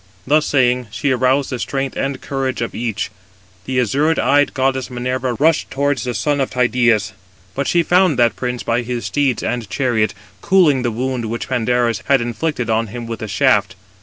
Thus saying, she aroused the strength and courage of each. The azure eyed goddess Minerva rushed towards the son of Tydeus; but she found that prince by his steeds and chariot, cooling the wound which Pandarus had inflicted on him with a shaft.